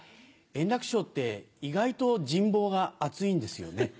円楽師匠って意外と人望が厚いんですよね。